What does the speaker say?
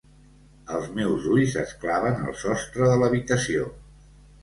Els meus ulls es claven al sostre de l’habitació.